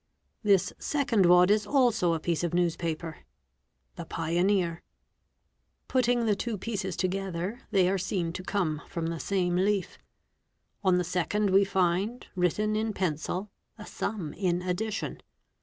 This second wad is also a piece of newspaper—' The Pioneer'; putting the two pieces together they a ' seen to come from the same leaf. On the second we find, written in pencil, a sum in addition.